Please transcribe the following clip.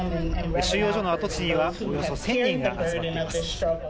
収容所の跡地にはおよそ１０００人が集まっています。